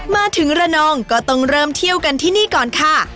มาถึงระนองก็ต้องเริ่มเที่ยวกันที่นี่ก่อนค่ะ